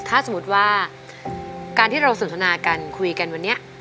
ถ้าสมมุติว่าการที่เราสนทนากันคุยกันวันนี้